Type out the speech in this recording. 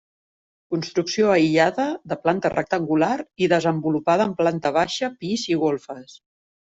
Construcció aïllada de planta rectangular i desenvolupada en planta baixa, pis i golfes.